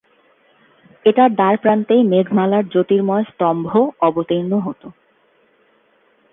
এটার দ্বারপ্রান্তেই মেঘমালার জ্যোতির্ময় স্তম্ভ অবতীর্ণ হত।